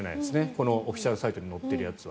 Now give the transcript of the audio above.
このオフィシャルサイトに載っているやつは。